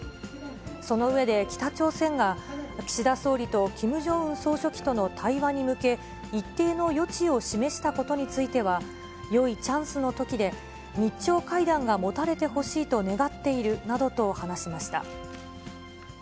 その上で北朝鮮が岸田総理とキム・ジョンウン総書記との対話に向け、一定の余地を示したことについては、よいチャンスのときで、日朝会談がもたれてほしいと願っているなどと話しました。